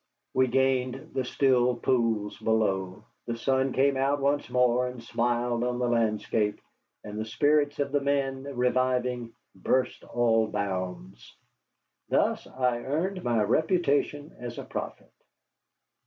We gained the still pools below, the sun came out once more and smiled on the landscape, and the spirits of the men, reviving, burst all bounds. Thus I earned my reputation as a prophet.